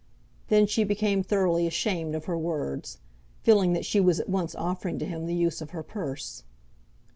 Then she became thoroughly ashamed of her words, feeling that she was at once offering to him the use of her purse.